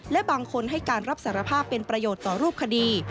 และบางคนให้การรับสารภาพเป็นประโยชน์ต่อรูปคดี